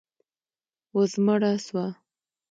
وزمړه سوه.